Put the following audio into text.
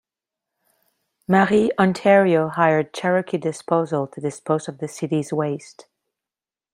Marie, Ontario hired Cherokee Disposal to dispose of the city's waste.